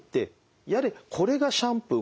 やれこれがシャンプー